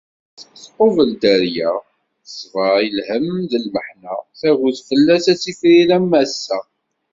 Tameṭṭut tqubel dderya, teṣber i lhemm d lmeḥna, tagut fell-as ad tifrir am wass-a.